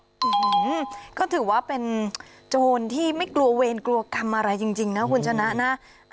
ก็ถือว่าเป็นโจรที่ไม่กลัวเวรกลัวกรรมอะไรจริงนะคุณชนะนะ